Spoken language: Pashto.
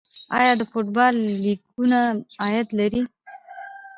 آیا د فوټبال لیګونه عاید لري؟